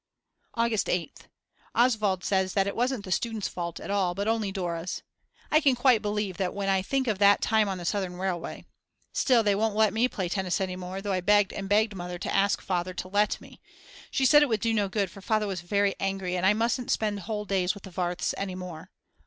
August 8th. Oswald says that it wasn't the student's fault at all but only Dora's. I can quite believe that when I think of that time on the Southern Railway. Still, they won't let me play tennis any more, though I begged and begged Mother to ask Father to let me. She said it would do no good for Father was very angry and I mustn't spend whole days with the Warths any more.